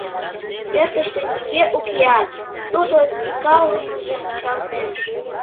Пӧртыштӧ нигӧ укеат, тудо тӱкалымыжым чарнен.